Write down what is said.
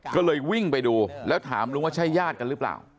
ก็เลยวิ่งไปดูแล้วถามลุงว่าใช่ญาติกันหรือเปล่า